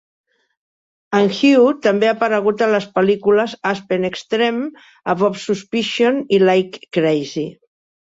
En Hughes també ha aparegut a les pel·lícules "Aspen Extreme", "Above Suspicion" i "Like Crazy".